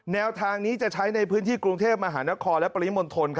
แนวทางนี้จะใช้ในพื้นที่กรุงเทพมหานครและปริมณฑล